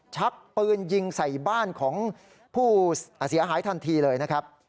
ชักปืนยิงใส่บ้านของผู้เสียหายทันทีเลยนะครับ